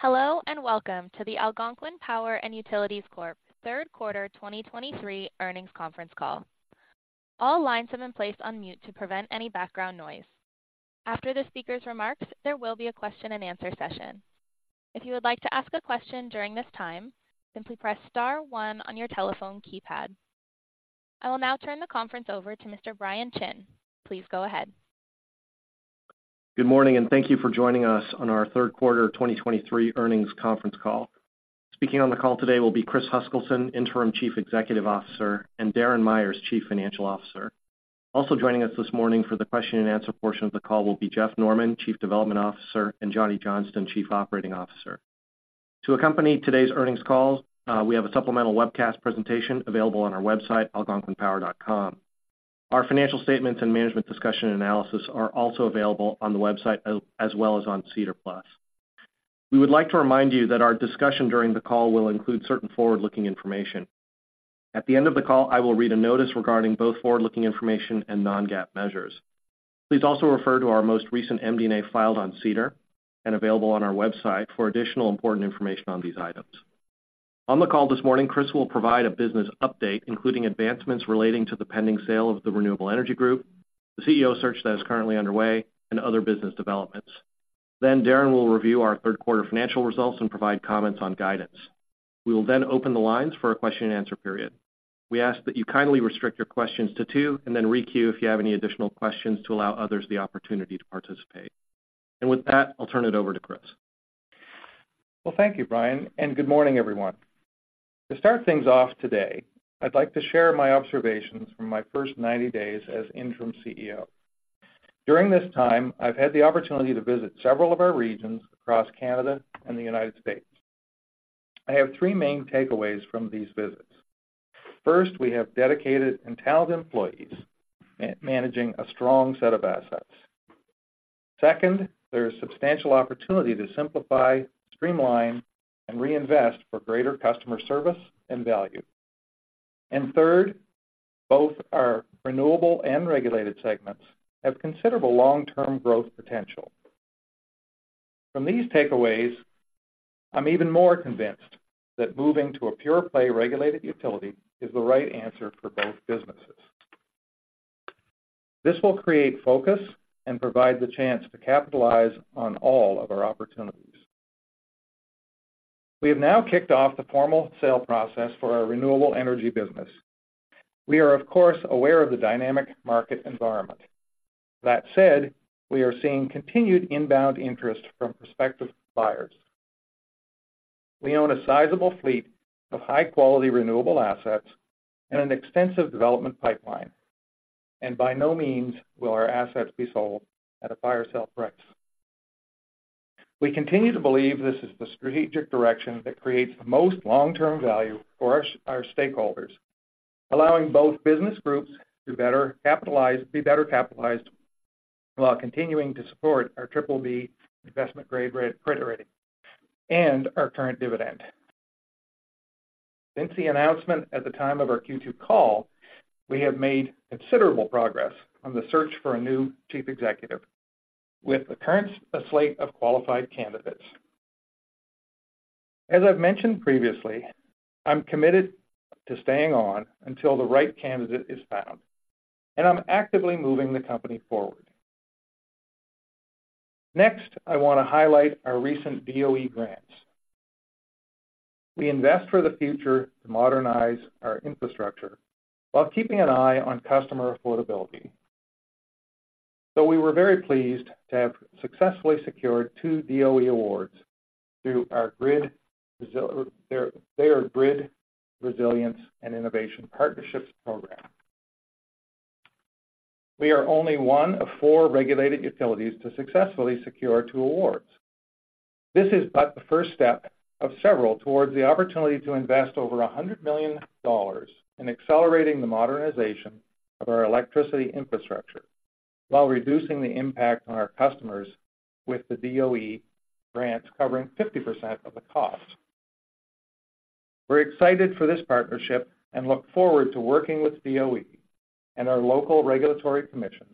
Hello, and welcome to the Algonquin Power & Utilities Corp Third Quarter 2023 Earnings Conference Call. All lines have been placed on mute to prevent any background noise. After the speaker's remarks, there will be a question and answer session. If you would like to ask a question during this time, simply press star one on your telephone keypad. I will now turn the conference over to Mr. Brian Chin. Please go ahead. Good morning, and thank you for joining us on our third quarter 2023 earnings conference call. Speaking on the call today will be Chris Huskilson, Interim Chief Executive Officer, and Darren Myers, Chief Financial Officer. Also joining us this morning for the question and answer portion of the call will be Jeff Norman, Chief Development Officer, and Johnny Johnston, Chief Operating Officer. To accompany today's earnings call, we have a supplemental webcast presentation available on our website, algonquinpower.com. Our financial statements and management discussion analysis are also available on the website, as well as on SEDAR+. We would like to remind you that our discussion during the call will include certain forward-looking information. At the end of the call, I will read a notice regarding both forward-looking information and non-GAAP measures. Please also refer to our most recent MD&A filed on SEDAR+ and available on our website for additional important information on these items. On the call this morning, Chris will provide a business update, including advancements relating to the pending sale of the Renewable Energy Group, the CEO search that is currently underway, and other business developments. Then Darren will review our third quarter financial results and provide comments on guidance. We will then open the lines for a question and answer period. We ask that you kindly restrict your questions to two and then requeue if you have any additional questions to allow others the opportunity to participate. With that, I'll turn it over to Chris. Well, thank you, Brian, and good morning, everyone. To start things off today, I'd like to share my observations from my first 90 days as Interim CEO. During this time, I've had the opportunity to visit several of our regions across Canada and the United States. I have three main takeaways from these visits. First, we have dedicated and talented employees managing a strong set of assets. Second, there is substantial opportunity to simplify, streamline, and reinvest for greater customer service and value. And third, both our renewable and regulated segments have considerable long-term growth potential. From these takeaways, I'm even more convinced that moving to a pure play regulated utility is the right answer for both businesses. This will create focus and provide the chance to capitalize on all of our opportunities. We have now kicked off the formal sale process for our renewable energy business. We are, of course, aware of the dynamic market environment. That said, we are seeing continued inbound interest from prospective buyers. We own a sizable fleet of high-quality renewable assets and an extensive development pipeline, and by no means will our assets be sold at a buy or sell price. We continue to believe this is the strategic direction that creates the most long-term value for our, our stakeholders, allowing both business groups to better capitalize, be better capitalized, while continuing to support our BBB investment-grade credit rating and our current dividend. Since the announcement at the time of our Q2 call, we have made considerable progress on the search for a new Chief Executive, with the current slate of qualified candidates. As I've mentioned previously, I'm committed to staying on until the right candidate is found, and I'm actively moving the company forward. Next, I want to highlight our recent DOE grants. We invest for the future to modernize our infrastructure while keeping an eye on customer affordability. So we were very pleased to have successfully secured two DOE awards through our Grid Resilience and Innovation Partnerships program. We are only one of four regulated utilities to successfully secure two awards. This is but the first step of several towards the opportunity to invest over $100 million in accelerating the modernization of our electricity infrastructure, while reducing the impact on our customers with the DOE grants covering 50% of the cost. We're excited for this partnership and look forward to working with DOE and our local regulatory commissions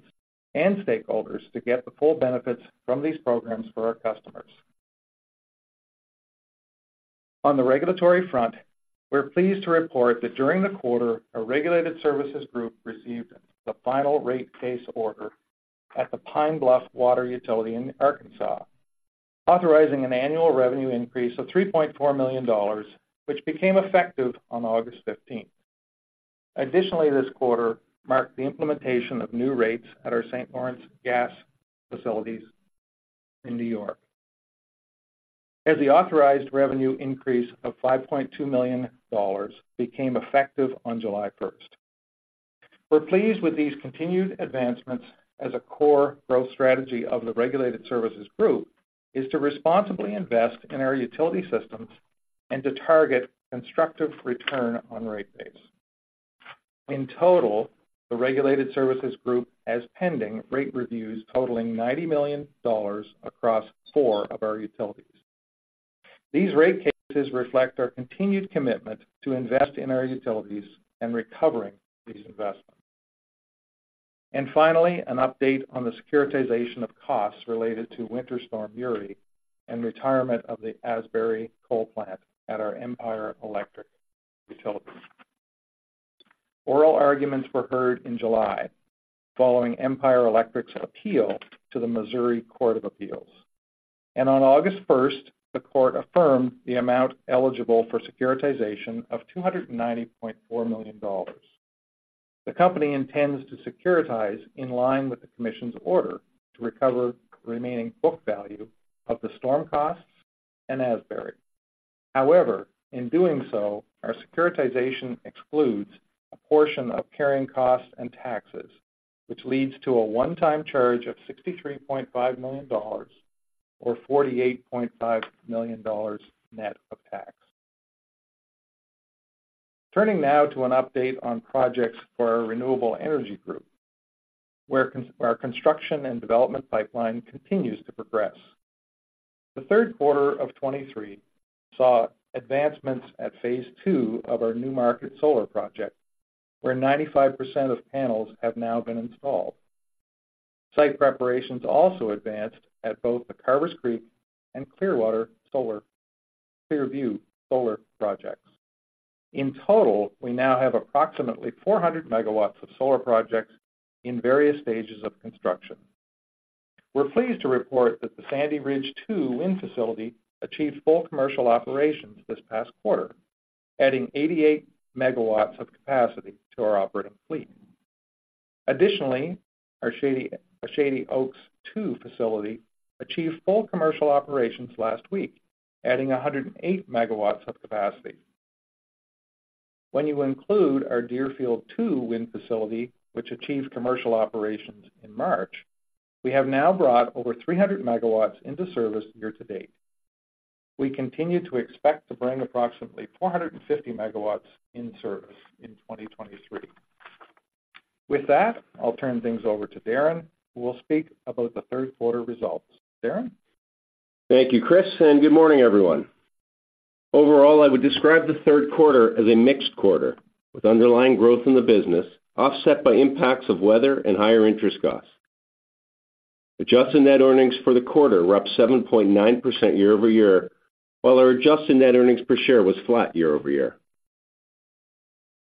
and stakeholders to get the full benefits from these programs for our customers. On the regulatory front, we're pleased to report that during the quarter, our regulated services group received the final rate case order at the Pine Bluff Water Utility in Arkansas, authorizing an annual revenue increase of $3.4 million, which became effective on August 15. Additionally, this quarter marked the implementation of new rates at our St. Lawrence Gas facilities in New York, as the authorized revenue increase of $5.2 million became effective on July 1. We're pleased with these continued advancements as a core growth strategy of the regulated services group is to responsibly invest in our utility systems and to target constructive return on rate base. In total, the Regulated Services Group has pending rate reviews totaling $90 million across four of our utilities. These rate cases reflect our continued commitment to invest in our utilities and recovering these investments.... And finally, an update on the securitization of costs related to Winter Storm Uri and retirement of the Asbury Coal Plant at our Empire Electric Utility. Oral arguments were heard in July, following Empire Electric's appeal to the Missouri Court of Appeals. And on August first, the court affirmed the amount eligible for securitization of $290.4 million. The company intends to securitize in line with the commission's order to recover the remaining book value of the storm costs and Asbury. However, in doing so, our securitization excludes a portion of carrying costs and taxes, which leads to a one-time charge of $63.5 million, or $48.5 million net of tax. Turning now to an update on projects for our renewable energy group, where our construction and development pipeline continues to progress. The third quarter of 2023 saw advancements at phase two of our New Market Solar project, where 95% of panels have now been installed. Site preparations also advanced at both the Carvers Creek Solar and Clearview Solar projects. In total, we now have approximately 400 MW of solar projects in various stages of construction. We're pleased to report that the Sandy Ridge II wind facility achieved full commercial operations this past quarter, adding 88 MW of capacity to our operating fleet. Additionally, our Shady Oaks II facility achieved full commercial operations last week, adding 108 MW of capacity. When you include our Deerfield II wind facility, which achieved commercial operations in March, we have now brought over 300 MW into service year to date. We continue to expect to bring approximately 450 MW in service in 2023. With that, I'll turn things over to Darren, who will speak about the third quarter results. Darren? Thank you, Chris, and good morning, everyone. Overall, I would describe the third quarter as a mixed quarter, with underlying growth in the business offset by impacts of weather and higher interest costs. Adjusted net earnings for the quarter were up 7.9% year-over-year, while our adjusted net earnings per share was flat year-over-year.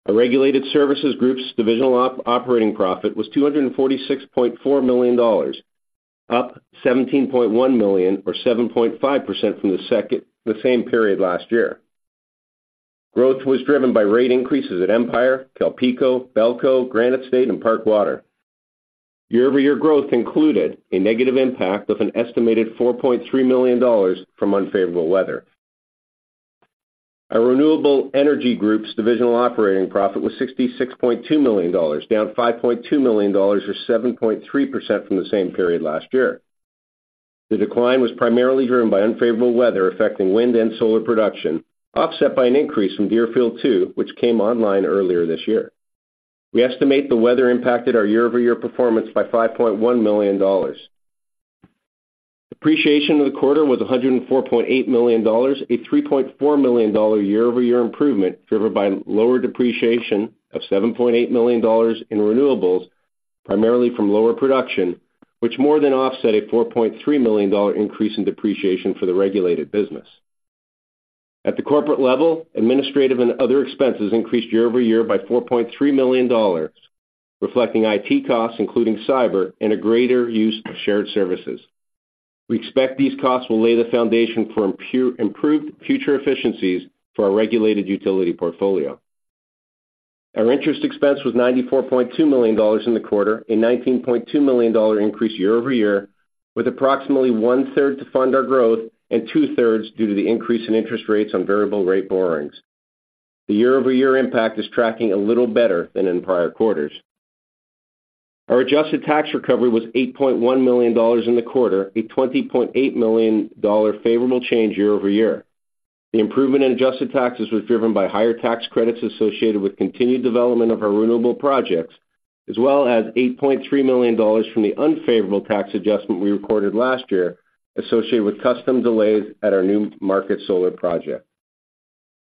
Our Regulated Services Group's divisional operating profit was $246.4 million, up $17.1 million, or 7.5% from the same period last year. Growth was driven by rate increases at Empire, CalPeco, Belco, Granite State, and Park Water. Year-over-year growth included a negative impact of an estimated $4.3 million from unfavorable weather. Our Renewable Energy Group's divisional operating profit was $66.2 million, down $5.2 million, or 7.3% from the same period last year. The decline was primarily driven by unfavorable weather affecting wind and solar production, offset by an increase in Deerfield II, which came online earlier this year. We estimate the weather impacted our year-over-year performance by $5.1 million. Depreciation in the quarter was $104.8 million, a $3.4 million year-over-year improvement, driven by lower depreciation of $7.8 million in renewables, primarily from lower production, which more than offset a $4.3 million increase in depreciation for the regulated business. At the corporate level, administrative and other expenses increased year-over-year by $4.3 million, reflecting IT costs, including cyber, and a greater use of shared services. We expect these costs will lay the foundation for improved future efficiencies for our regulated utility portfolio. Our interest expense was $94.2 million in the quarter, a $19.2 million increase year-over-year, with approximately one-third to fund our growth and two-thirds due to the increase in interest rates on variable rate borrowings. The year-over-year impact is tracking a little better than in prior quarters. Our adjusted tax recovery was $8.1 million in the quarter, a $20.8 million favorable change year-over-year. The improvement in adjusted taxes was driven by higher tax credits associated with continued development of our renewable projects, as well as $8.3 million from the unfavorable tax adjustment we recorded last year, associated with customs delays at our New Market Solar project.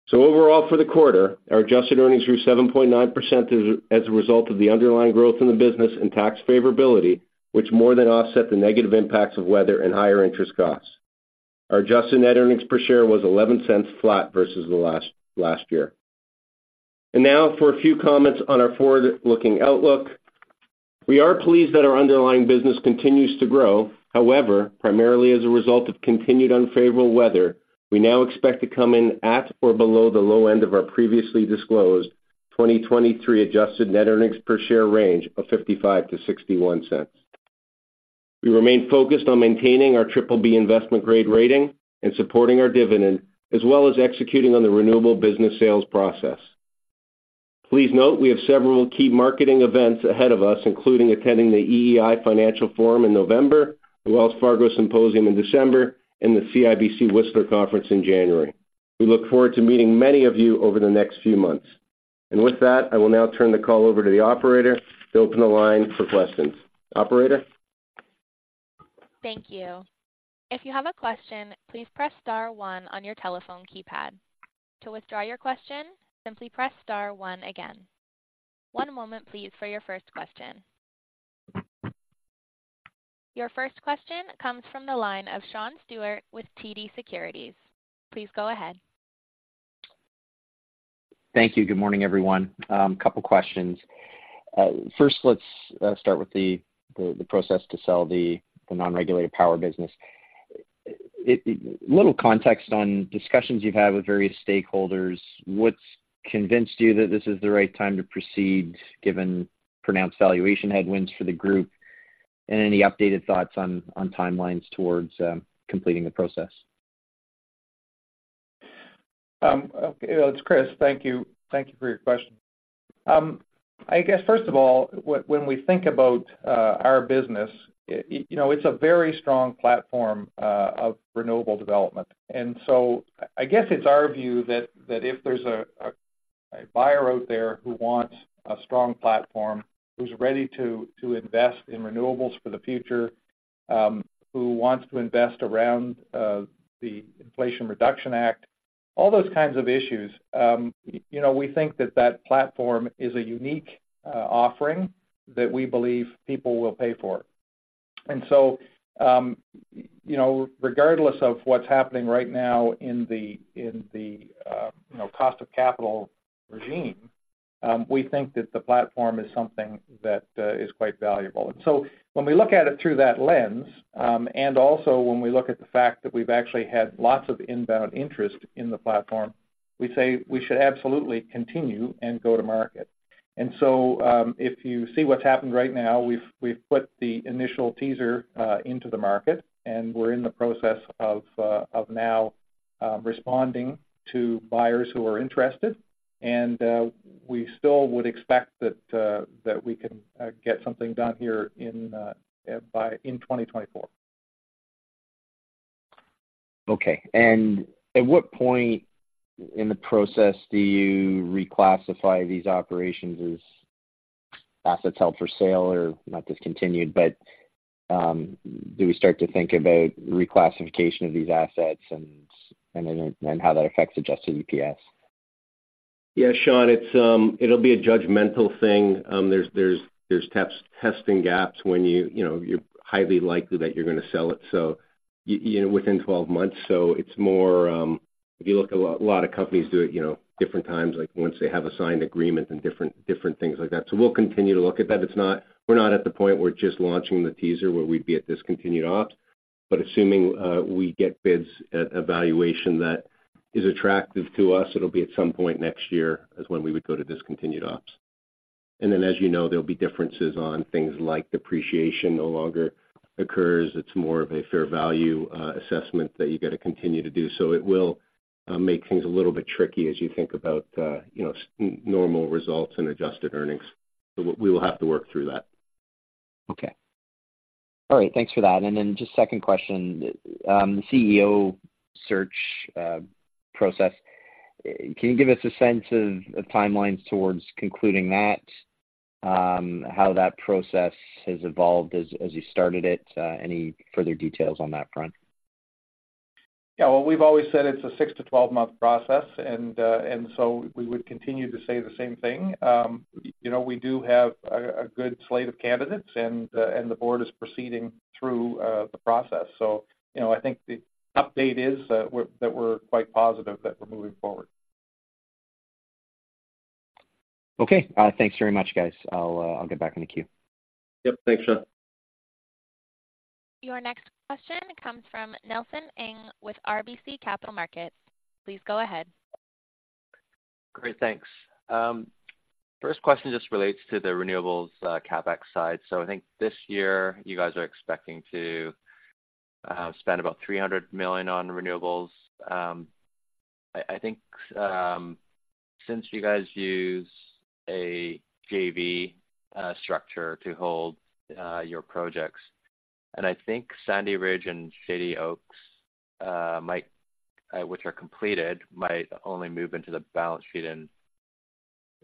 So overall, for the quarter, our adjusted earnings grew 7.9% as a result of the underlying growth in the business and tax favorability, which more than offset the negative impacts of weather and higher interest costs. Our adjusted net earnings per share was $0.11 flat versus last year. Now for a few comments on our forward-looking outlook. We are pleased that our underlying business continues to grow. However, primarily as a result of continued unfavorable weather, we now expect to come in at or below the low end of our previously disclosed 2023 adjusted net earnings per share range of $0.55-$0.61. We remain focused on maintaining our BBB investment grade rating and supporting our dividend, as well as executing on the renewable business sales process. Please note, we have several key marketing events ahead of us, including attending the EEI Financial Forum in November, the Wells Fargo Symposium in December, and the CIBC Whistler Conference in January. We look forward to meeting many of you over the next few months. And with that, I will now turn the call over to the operator to open the line for questions. Operator?... Thank you. If you have a question, please press star one on your telephone keypad. To withdraw your question, simply press star one again. One moment please, for your first question. Your first question comes from the line of Sean Steuart with TD Securities. Please go ahead. Thank you. Good morning, everyone. Couple questions. First, let's start with the process to sell the non-regulated power business. A little context on discussions you've had with various stakeholders. What's convinced you that this is the right time to proceed, given pronounced valuation headwinds for the group? And any updated thoughts on timelines towards completing the process? Okay, it's Chris. Thank you. Thank you for your question. I guess, first of all, when we think about our business, you know, it's a very strong platform of renewable development. And so I guess it's our view that if there's a buyer out there who wants a strong platform, who's ready to invest in renewables for the future, who wants to invest around the Inflation Reduction Act, all those kinds of issues, you know, we think that that platform is a unique offering that we believe people will pay for. And so, you know, regardless of what's happening right now in the cost of capital regime, we think that the platform is something that is quite valuable. And so when we look at it through that lens, and also when we look at the fact that we've actually had lots of inbound interest in the platform, we say we should absolutely continue and go to market. And so, if you see what's happened right now, we've, we've put the initial teaser into the market, and we're in the process of, of now, responding to buyers who are interested. And, we still would expect that, that we can, get something done here in, by, in 2024. Okay. At what point in the process do you reclassify these operations as assets held for sale or not discontinued, but do we start to think about reclassification of these assets and then how that affects Adjusted EPS? Yeah, Sean, it's, it'll be a judgmental thing. There's testing gaps when you, you know, you're highly likely that you're going to sell it, so you know, within 12 months. So it's more, if you look, a lot of companies do it, you know, different times, like once they have a signed agreement and different things like that. So we'll continue to look at that. It's not. We're not at the point where we're just launching the teaser, where we'd be at discontinued ops. But assuming, we get bids at a valuation that is attractive to us, it'll be at some point next year is when we would go to discontinued ops. And then, as you know, there'll be differences on things like depreciation no longer occurs. It's more of a fair value assessment that you got to continue to do. So it will make things a little bit tricky as you think about, you know, normal results and adjusted earnings. So we, we will have to work through that. Okay. All right. Thanks for that. And then just second question. The CEO search process, can you give us a sense of timelines towards concluding that, how that process has evolved as you started it? Any further details on that front? Yeah, well, we've always said it's a 6-12-month process, and so we would continue to say the same thing. You know, we do have a good slate of candidates, and the board is proceeding through the process. So, you know, I think the update is that we're quite positive that we're moving forward. Okay. Thanks very much, guys. I'll get back in the queue. Yep. Thanks, Sean. Your next question comes from Nelson Ng with RBC Capital Markets. Please go ahead. Great, thanks. First question just relates to the renewables CapEx side. So I think this year you guys are expecting to spend about $300 million on renewables. I think since you guys use a JV structure to hold your projects, and I think Sandy Ridge and Shady Oaks, which are completed, might only move into the balance sheet in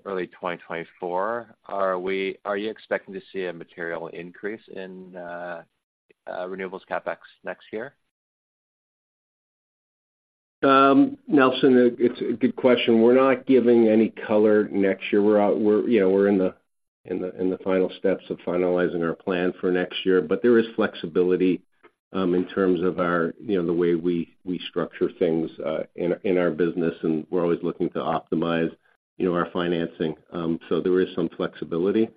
early 2024. Are you expecting to see a material increase in renewables CapEx next year? Nelson, it's a good question. We're not giving any color next year. We're, you know, we're in the final steps of finalizing our plan for next year, but there is flexibility in terms of our, you know, the way we structure things in our business, and we're always looking to optimize, you know, our financing. So there is some flexibility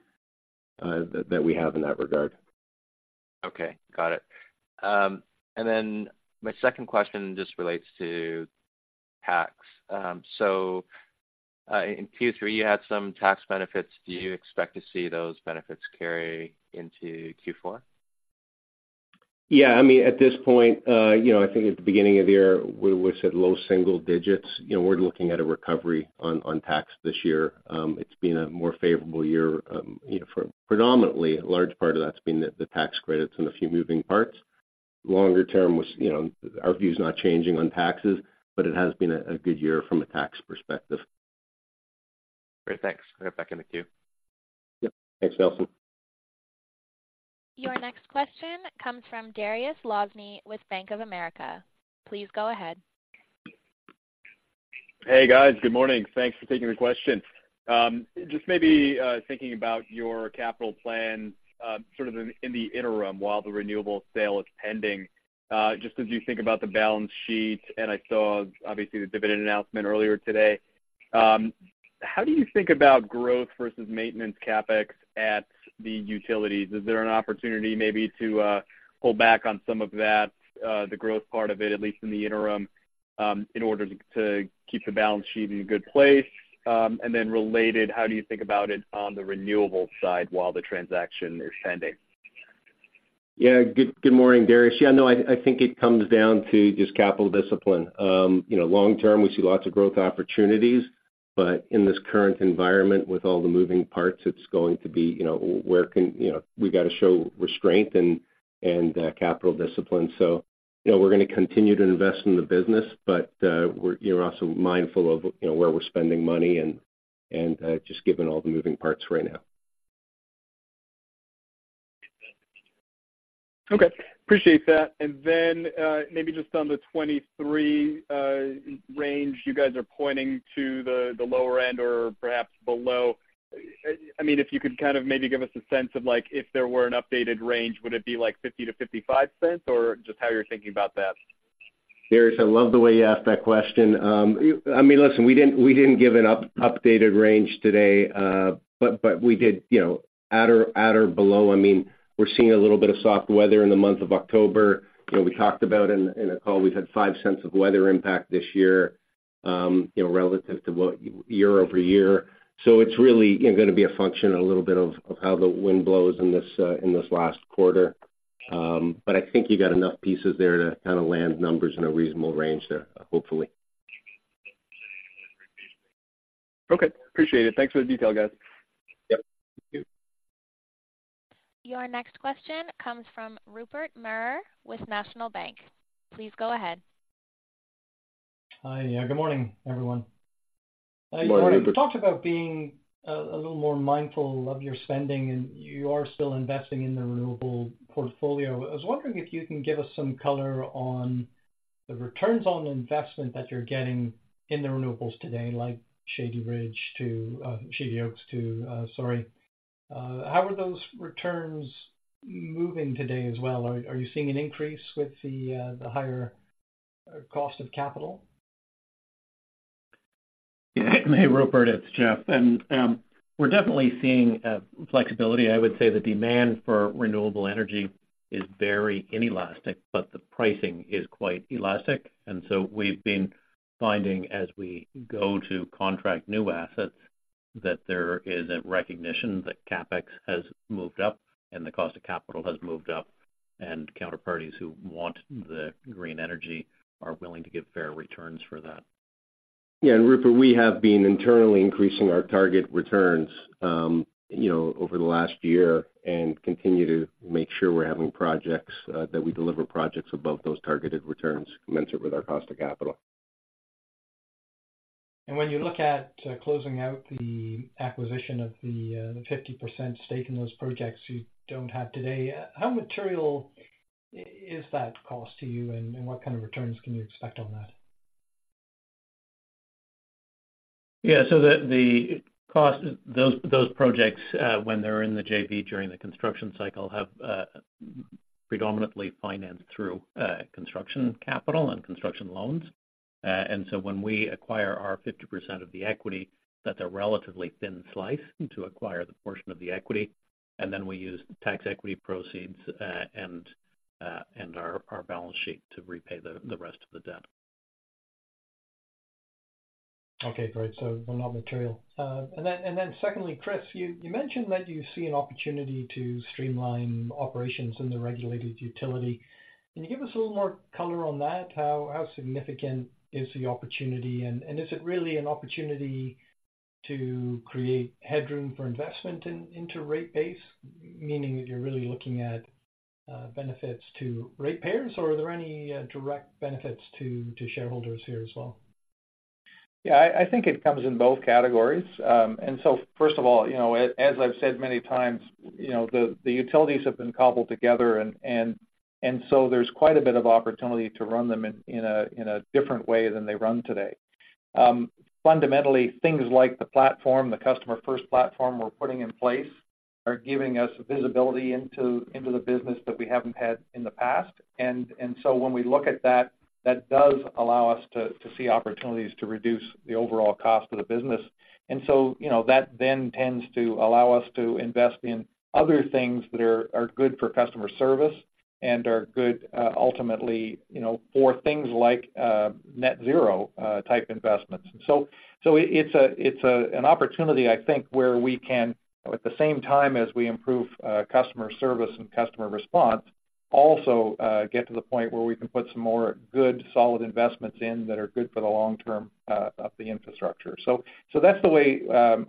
that we have in that regard. Okay, got it. And then my second question just relates to tax. So, in Q3, you had some tax benefits. Do you expect to see those benefits carry into Q4? Yeah, I mean, at this point, you know, I think at the beginning of the year, we said low single digits. You know, we're looking at a recovery on tax this year. It's been a more favorable year. You know, for predominantly, a large part of that's been the tax credits and a few moving parts. Longer term, you know, our view is not changing on taxes, but it has been a good year from a tax perspective. ... Great, thanks. Get back in the queue. Yep. Thanks, Nelson. Your next question comes from Dariusz Lozny with Bank of America. Please go ahead. Hey, guys. Good morning. Thanks for taking the question. Just maybe thinking about your capital plan, sort of in the interim while the renewable sale is pending. Just as you think about the balance sheet, and I saw obviously the dividend announcement earlier today, how do you think about growth versus maintenance CapEx at the utilities? Is there an opportunity maybe to pull back on some of that, the growth part of it, at least in the interim, in order to keep the balance sheet in a good place? And then related, how do you think about it on the renewable side while the transaction is pending? Yeah. Good morning, Darius. Yeah, no, I think it comes down to just capital discipline. You know, long term, we see lots of growth opportunities, but in this current environment, with all the moving parts, it's going to be, you know, you know, we've got to show restraint and capital discipline. So, you know, we're going to continue to invest in the business, but we're, you know, also mindful of, you know, where we're spending money and just given all the moving parts right now. Okay, appreciate that. And then, maybe just on the 2023 range, you guys are pointing to the, the lower end or perhaps below. I, I mean, if you could kind of maybe give us a sense of, like, if there were an updated range, would it be like $0.50-$0.55, or just how you're thinking about that? Darius, I love the way you asked that question. I mean, listen, we didn't, we didn't give an updated range today, but, but we did, you know, at or below. I mean, we're seeing a little bit of soft weather in the month of October. You know, we talked about in, in a call, we've had $0.05 of weather impact this year, you know, relative to what year-over-year. So it's really, you know, going to be a function, a little bit of, of how the wind blows in this, in this last quarter. But I think you got enough pieces there to kind of land numbers in a reasonable range there, hopefully. Okay, appreciate it. Thanks for the detail, guys. Yep. Your next question comes from Rupert Merer with National Bank. Please go ahead. Hi. Yeah, good morning, everyone. Good morning, Rupert. You talked about being a little more mindful of your spending, and you are still investing in the renewable portfolio. I was wondering if you can give us some color on the returns on investment that you're getting in the renewables today, like Shady Oaks II, sorry. How are those returns moving today as well? Are you seeing an increase with the the higher cost of capital? Yeah. Hey, Rupert, it's Jeff. And, we're definitely seeing flexibility. I would say the demand for renewable energy is very inelastic, but the pricing is quite elastic. And so we've been finding as we go to contract new assets, that there is a recognition that CapEx has moved up and the cost of capital has moved up, and counterparties who want the green energy are willing to give fair returns for that. Yeah, and Rupert, we have been internally increasing our target returns, you know, over the last year and continue to make sure we're having projects that we deliver projects above those targeted returns, commensurate with our cost of capital. When you look at closing out the acquisition of the 50% stake in those projects you don't have today, how material is that cost to you, and what kind of returns can you expect on that? Yeah, so the cost, those projects, when they're in the JV during the construction cycle, have predominantly financed through construction capital and construction loans. And so when we acquire our 50% of the equity, that they're relatively thin slice to acquire the portion of the equity, and then we use tax equity proceeds, and our balance sheet to repay the rest of the debt. Okay, great. So we're not material. And then secondly, Chris, you mentioned that you see an opportunity to streamline operations in the regulated utility. Can you give us a little more color on that? How significant is the opportunity? And is it really an opportunity to create headroom for investment into rate base, meaning that you're really looking at benefits to rate payers, or are there any direct benefits to shareholders here as well? Yeah, I think it comes in both categories. And so first of all, you know, as I've said many times, you know, the utilities have been cobbled together and so there's quite a bit of opportunity to run them in a different way than they run today. Fundamentally, things like the platform, the Customer First platform we're putting in place, are giving us visibility into the business that we haven't had in the past. And so when we look at that, that does allow us to see opportunities to reduce the overall cost of the business. And so, you know, that then tends to allow us to invest in other things that are good for customer service and are good, ultimately, you know, for things like net zero type investments. So it's an opportunity, I think, where we can, at the same time as we improve, customer service and customer response, also, get to the point where we can put some more good, solid investments in that are good for the long term, of the infrastructure. So that's the way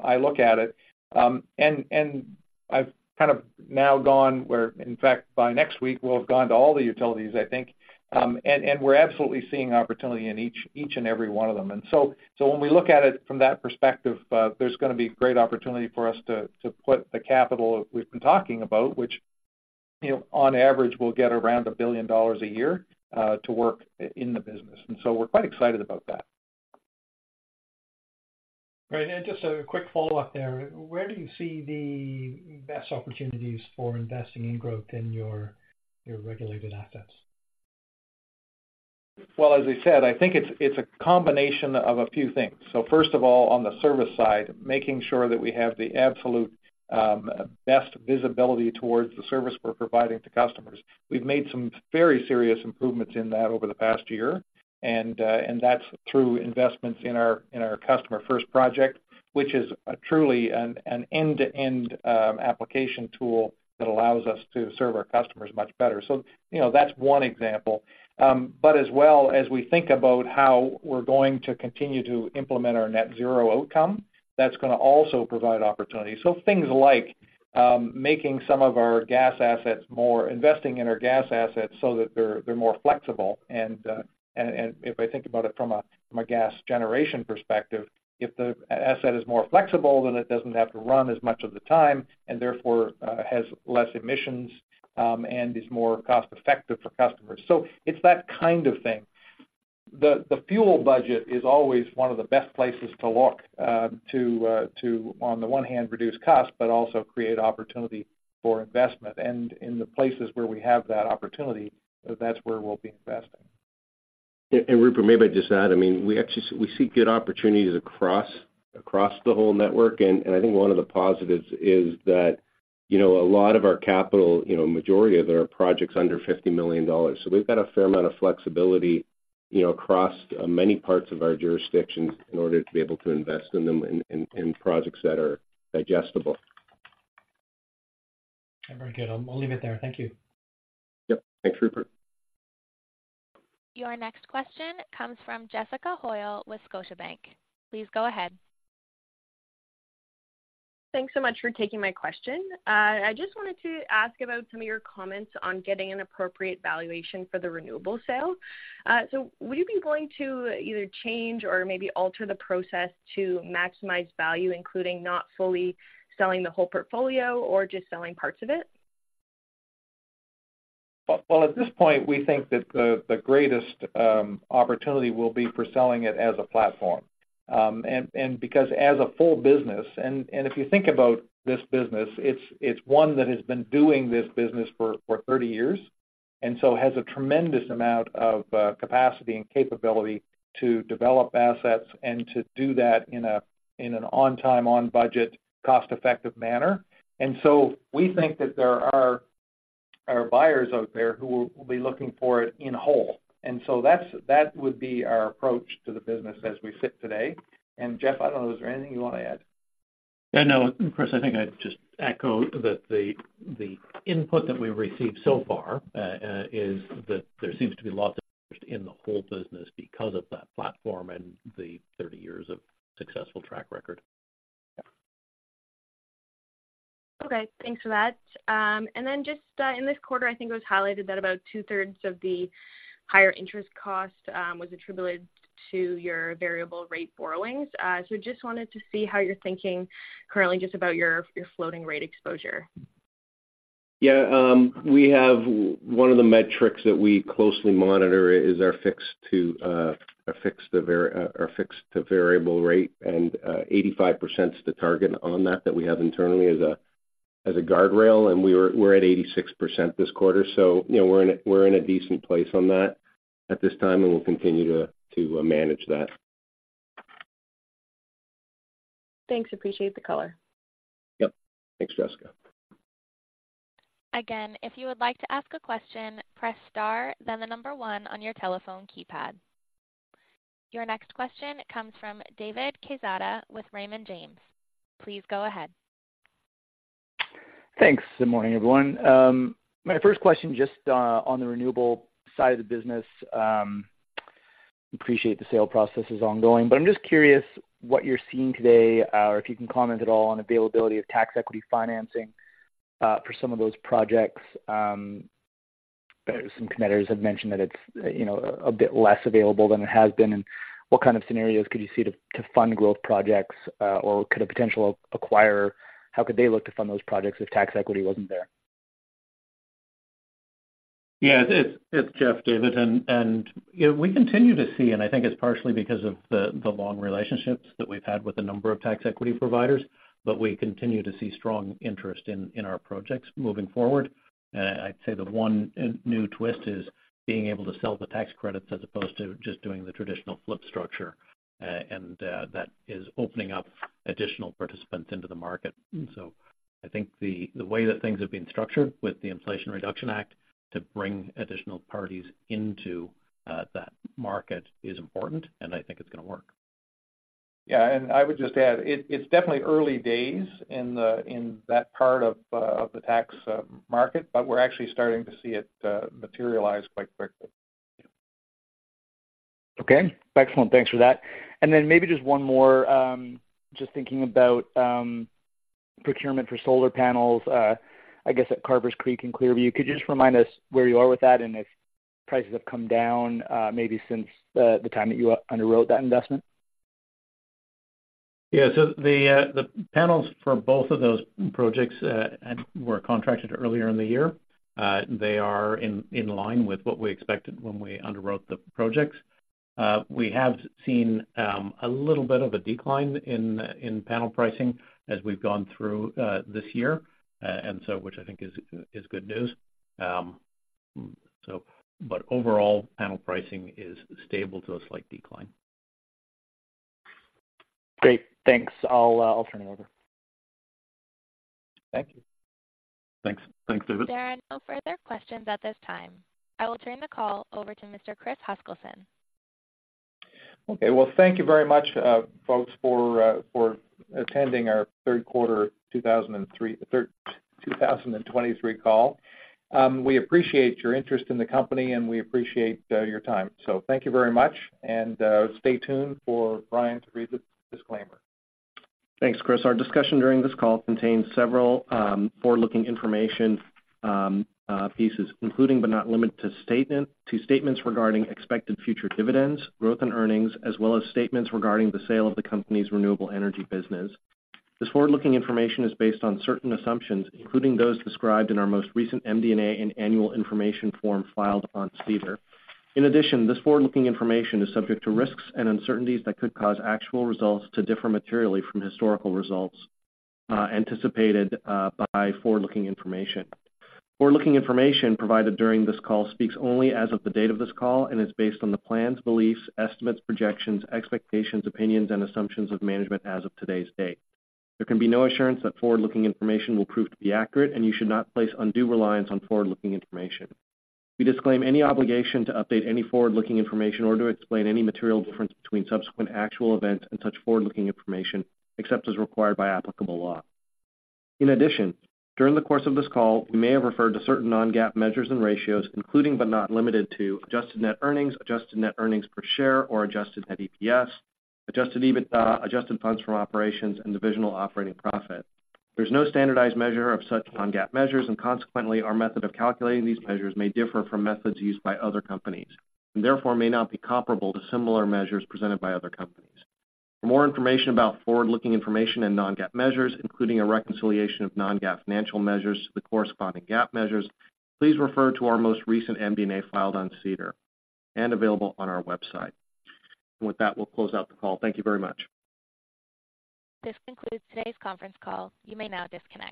I look at it. And I've kind of now gone where, in fact, by next week, we'll have gone to all the utilities, I think. And we're absolutely seeing opportunity in each and every one of them. And so when we look at it from that perspective, there's going to be great opportunity for us to put the capital we've been talking about, which-... You know, on average, we'll get around $1 billion a year to work in the business, and so we're quite excited about that. Right. Just a quick follow-up there. Where do you see the best opportunities for investing in growth in your regulated assets? Well, as I said, I think it's a combination of a few things. So first of all, on the service side, making sure that we have the absolute best visibility towards the service we're providing to customers. We've made some very serious improvements in that over the past year, and that's through investments in our Customer First project, which is truly an end-to-end application tool that allows us to serve our customers much better. So, you know, that's one example. But as well, as we think about how we're going to continue to implement our Net Zero outcome, that's gonna also provide opportunities. So things like making some of our gas assets investing in our gas assets so that they're more flexible. If I think about it from a gas generation perspective, if the asset is more flexible, then it doesn't have to run as much of the time, and therefore has less emissions and is more cost-effective for customers. So it's that kind of thing. The fuel budget is always one of the best places to look to, on the one hand, reduce costs, but also create opportunity for investment. And in the places where we have that opportunity, that's where we'll be investing. And Rupert, may I just add, I mean, we actually, we see good opportunities across the whole network. And I think one of the positives is that, you know, a lot of our capital, you know, majority of they are projects under $50 million. So we've got a fair amount of flexibility, you know, across many parts of our jurisdictions in order to be able to invest in them in projects that are digestible. Very good. I'll leave it there. Thank you. Yep. Thanks, Rupert. Your next question comes from Jessica Hoyle with Scotiabank. Please go ahead. Thanks so much for taking my question. I just wanted to ask about some of your comments on getting an appropriate valuation for the renewable sale. So would you be going to either change or maybe alter the process to maximize value, including not fully selling the whole portfolio or just selling parts of it? Well, at this point, we think that the greatest opportunity will be for selling it as a platform. And because as a full business, if you think about this business, it's one that has been doing this business for 30 years, and so has a tremendous amount of capacity and capability to develop assets and to do that in an on-time, on-budget, cost-effective manner. And so we think that there are buyers out there who will be looking for it in whole. And so that would be our approach to the business as we sit today. And, Jeff, I don't know, is there anything you want to add? Yeah, no, of course, I think I'd just echo that the input that we've received so far is that there seems to be a lot of interest in the whole business because of that platform and the 30 years of successful track record. Okay, thanks for that. And then just in this quarter, I think it was highlighted that about two-thirds of the higher interest cost was attributed to your variable rate borrowings. So just wanted to see how you're thinking currently just about your, your floating rate exposure. Yeah, we have one of the metrics that we closely monitor is our fixed to variable rate, and 85% is the target on that that we have internally as a guardrail, and we're at 86% this quarter. So, you know, we're in a decent place on that at this time, and we'll continue to manage that. Thanks. Appreciate the color. Yep. Thanks, Jessica. Again, if you would like to ask a question, press star, then the number one on your telephone keypad. Your next question comes from David Quezada with Raymond James. Please go ahead. Thanks. Good morning, everyone. My first question, just, on the renewable side of the business, appreciate the sale process is ongoing, but I'm just curious what you're seeing today, or if you can comment at all on availability of tax equity financing, for some of those projects. Some competitors have mentioned that it's, you know, a bit less available than it has been, and what kind of scenarios could you see to fund growth projects, or could a potential acquirer, how could they look to fund those projects if tax equity wasn't there? Yeah, it's Jeff Norman, and you know, we continue to see, and I think it's partially because of the long relationships that we've had with a number of tax equity providers, but we continue to see strong interest in our projects moving forward. I'd say the one new twist is being able to sell the tax credits as opposed to just doing the traditional flip structure, and that is opening up additional participants into the market. So I think the way that things have been structured with the Inflation Reduction Act to bring additional parties into that market is important, and I think it's going to work. Yeah, and I would just add, it's definitely early days in that part of the tax market, but we're actually starting to see it materialize quite quickly. Okay, excellent. Thanks for that. And then maybe just one more. Just thinking about procurement for solar panels, I guess at Carvers Creek and Clearview. Could you just remind us where you are with that and if prices have come down, maybe since the time that you underwrote that investment?... Yeah, so the panels for both of those projects and were contracted earlier in the year. They are in line with what we expected when we underwrote the projects. We have seen a little bit of a decline in panel pricing as we've gone through this year, and so which I think is good news. So but overall, panel pricing is stable to a slight decline. Great, thanks. I'll turn it over. Thank you. Thanks. Thanks, David. There are no further questions at this time. I will turn the call over to Mr. Chris Huskilson. Okay. Well, thank you very much, folks, for attending our third quarter 2023 call. We appreciate your interest in the company, and we appreciate your time. So thank you very much, and stay tuned for Brian to read the disclaimer. Thanks, Chris. Our discussion during this call contains several forward-looking information pieces, including but not limited to statements regarding expected future dividends, growth, and earnings, as well as statements regarding the sale of the company's renewable energy business. This forward-looking information is based on certain assumptions, including those described in our most recent MD&A and annual information form filed on SEDAR. In addition, this forward-looking information is subject to risks and uncertainties that could cause actual results to differ materially from historical results anticipated by forward-looking information. Forward-looking information provided during this call speaks only as of the date of this call and is based on the plans, beliefs, estimates, projections, expectations, opinions, and assumptions of management as of today's date. There can be no assurance that forward-looking information will prove to be accurate, and you should not place undue reliance on forward-looking information. We disclaim any obligation to update any forward-looking information or to explain any material difference between subsequent actual events and such forward-looking information, except as required by applicable law. In addition, during the course of this call, we may have referred to certain non-GAAP measures and ratios, including but not limited to Adjusted Net Earnings, Adjusted Net Earnings per share or Adjusted Net EPS, Adjusted EBITDA, Adjusted Funds from Operations, and Divisional Operating Profit. There's no standardized measure of such non-GAAP measures, and consequently, our method of calculating these measures may differ from methods used by other companies and therefore may not be comparable to similar measures presented by other companies. For more information about forward-looking information and non-GAAP measures, including a reconciliation of non-GAAP financial measures to the corresponding GAAP measures, please refer to our most recent MD&A filed on SEDAR and available on our website. With that, we'll close out the call. Thank you very much. This concludes today's conference call. You may now disconnect.